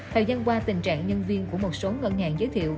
thời gian qua tình trạng nhân viên của một số ngân hàng giới thiệu